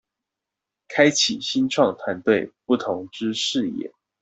開啟新創團隊不同之視野